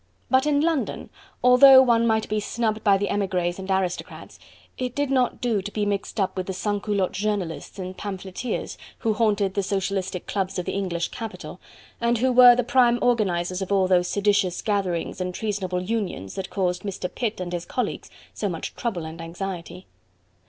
But in London, although one might be snubbed by the emigres and aristocrats it did not do to be mixed up with the sans culotte journalists and pamphleteers who haunted the Socialistic clubs of the English capital, and who were the prime organizers of all those seditious gatherings and treasonable unions that caused Mr. Pitt and his colleagues so much trouble and anxiety.